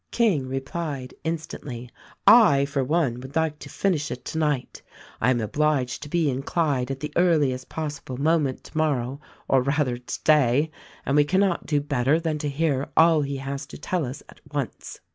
King replied instantly, "I for one, would like to finish it tonight. I am obliged to be in Clyde at the earliest possible moment tomorrow or rather, today ; and we cannot do better than to hear all he has to tell us at once."